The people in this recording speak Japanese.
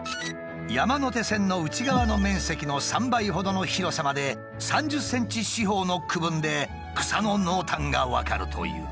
山手線の内側の面積の３倍ほどの広さまで３０ｃｍ四方の区分で草の濃淡が分かるという。